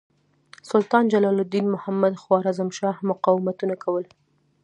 سلطان جلال الدین محمد خوارزمشاه مقاومتونه کول.